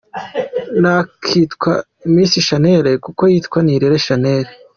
Ntakitwa Miss Shanel kuko yitwa Nirere Shanel.